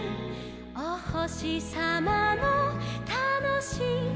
「おほしさまのたのしいはなし」